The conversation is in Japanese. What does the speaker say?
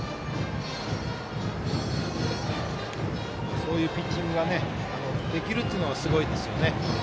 そういうピッチングができるというのがすごいですよね。